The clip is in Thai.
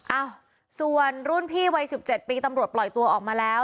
เอ้าส่วนรุ่นพี่วัย๑๗ปีตำรวจปล่อยตัวออกมาแล้ว